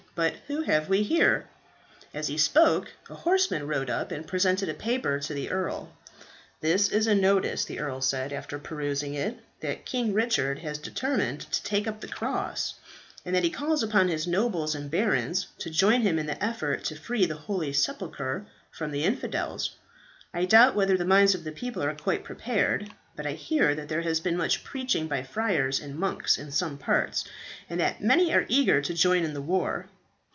But who have we here?" As he spoke a horseman rode up and presented a paper to the earl. "This is a notice," the earl said, after perusing it, "that King Richard has determined to take up the cross, and that he calls upon his nobles and barons to join him in the effort to free the holy sepulchre from the infidels. I doubt whether the minds of the people are quite prepared, but I hear that there has been much preaching by friars and monks in some parts, and that many are eager to join in the war."